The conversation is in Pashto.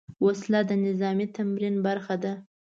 وسله د نظامي تمرین برخه ده